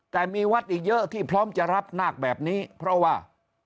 แต่มีวัดอีกเยอะที่พร้อมจะรับนาคแบบนี้เพราะว่า